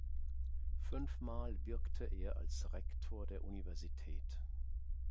Fünfmal wirkte er als Rektor der Universität.